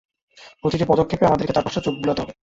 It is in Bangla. প্রতিটা পদক্ষেপে, আমাদেরকে চারপাশটা চোখ বুলাতে হবে।